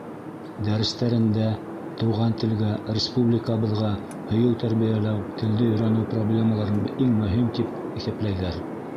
Дәрестәрендә туған телгә, республикабыҙға һөйөү тәрбиәләү, телде өйрәнеү проблемаларын иң мөһим тип иҫәпләйҙәр.